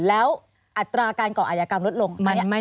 แล้วอัตราการก่ออาจยากรรมลดลง